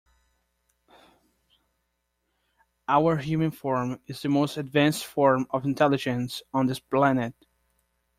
Our human form is the most advanced form of intelligence on this planet.